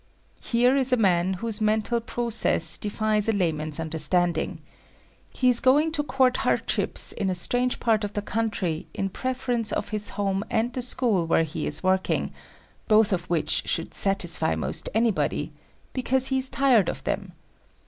Here is a man whose mental process defies a layman's understanding. He is going to court hardships in a strange part of the country in preference of his home and the school where he is working,—both of which should satisfy most anybody,—because he is tired of them.